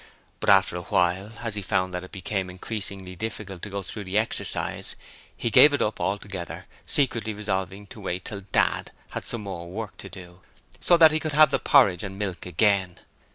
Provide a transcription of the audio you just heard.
But after a while, as he found that it became increasingly difficult to go through the exercise, he gave it up altogether, secretly resolving to wait until 'Dad' had more work to do, so that he could have the porridge and milk again.